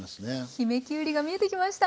姫きゅうりが見えてきました。